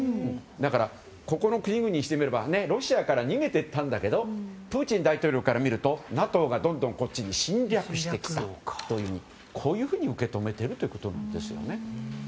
だから、ここの国々にしてみればロシアから逃げていったんだけどプーチン大統領から見るとＮＡＴＯがどんどんこっち側に侵略してきたというこういうふうに受け止めているわけです。